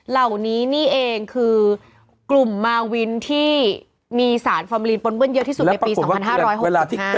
เหล่านี้นี่เองคือกลุ่มมาวินที่มีสารฟอร์มลีนปนเปิ้เยอะที่สุดในปี๒๕๖๕